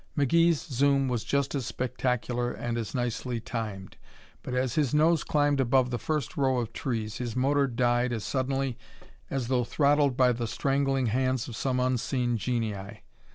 McGee's zoom was just as spectacular and as nicely timed, but as his nose climbed above the first row of trees his motor died as suddenly as though throttled by the strangling hands of some unseen genii.